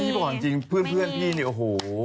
พี่บอกจริงเพื่อนพี่เนี่ยโอ้โห